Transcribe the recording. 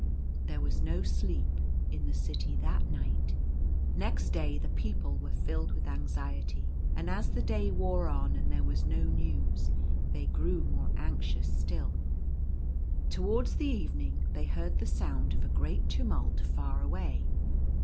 There was no sleep in the city that night. Next day the people were filled with anxiety ; and as the day wore on and there was no news they grew more anxious still. Towards the evening they heard the sound of a great tumult far away.